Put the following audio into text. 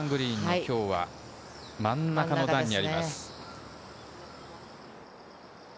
今日は真ん中の段にあります。